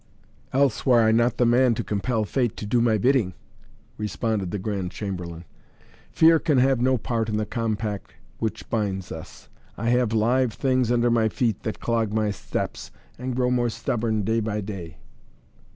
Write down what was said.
"Else were I not the man to compel fate to do my bidding," responded the Grand Chamberlain. "Fear can have no part in the compact which binds us. I have live things under my feet that clog my steps and grow more stubborn day by day."